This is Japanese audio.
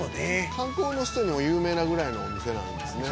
「観光の人にも有名なぐらいなお店なんですね」